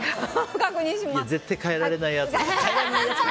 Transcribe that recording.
絶対変えられないやつだよ。